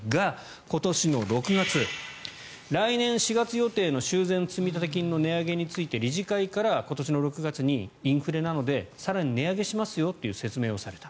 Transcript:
今年の６月、来年４月予定の修繕積立金の値上げについて理事会から今年の６月にインフレなので更に値上げしますよという説明をされた。